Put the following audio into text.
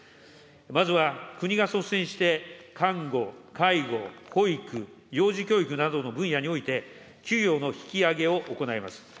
まずは国が率先して、看護、介護、保育、幼児教育などの分野において、給与の引き上げを行います。